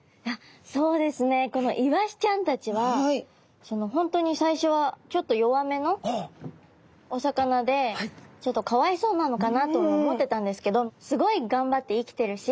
そうですねこのイワシちゃんたちは本当に最初はちょっと弱めのお魚でちょっとかわいそうなのかなとも思ってたんですけどすごいがんばって生きてるし。